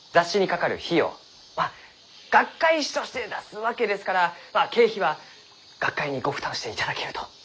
まあ学会誌として出すわけですからまあ経費は学会にご負担していただけると。